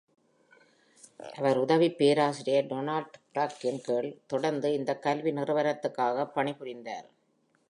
அவர் உதவிப் பேராசிரியர் டொனால்ட் க்ளர்க்கின்கீழ் தொடர்ந்து இந்தக் கல்வி நிறுவனத்துக்காகப் பணிபுரிந்தார்.